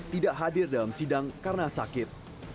tidak hadir dalam sidang karena sakit